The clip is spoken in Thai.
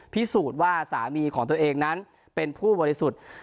พิสูจน์ว่าสามีของตัวเองนั้นเป็นผู้บริสุทธิ์